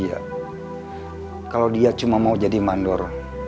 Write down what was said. aku mau jadi mandor